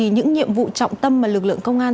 những nhiệm vụ trọng tâm mà lực lượng công an